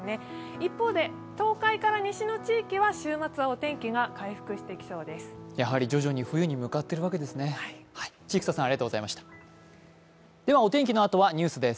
一方で、東海から西の地域は週末はお天気が回復していきそうです。